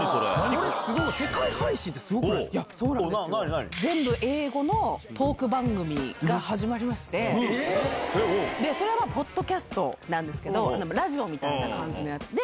これ、すごい、世界配信って全部英語のトーク番組が始まそれがポッドキャストなんですけど、ラジオみたいな感じのやつで。